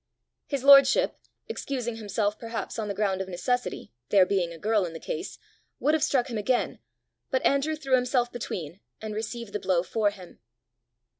His lordship, excusing himself perhaps on the ground of necessity, there being a girl in the case, would have struck him again; but Andrew threw himself between, and received the blow for him.